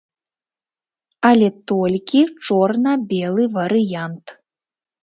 Але толькі чорна-белы варыянт.